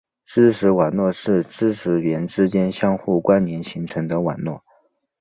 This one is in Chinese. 知识网络是知识元之间相互关联形成的网络。